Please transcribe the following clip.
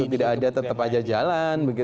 tidak ada tetap saja jalan